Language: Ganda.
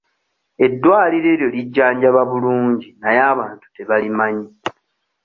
Eddwaliro eryo lijjanjaba bulungi naye abantu tebalimanyi.